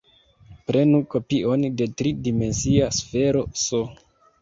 Prenu kopion de tri-dimensia sfero "S".